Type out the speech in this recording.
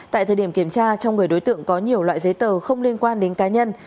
tại thời điểm kiểm tra trong người đối tượng có nhiều loại giấy tờ không liên quan đến cá nhân